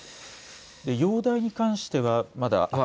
容体に関してはまだ。